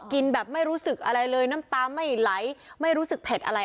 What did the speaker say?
กินแบบไม่รู้สึกอะไรเลยน้ำตาไม่ไหลไม่รู้สึกเผ็ดอะไร